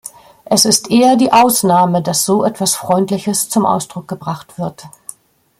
Es ist eher die Ausnahme, dass so etwas Freundliches zum Ausdruck gebracht wird.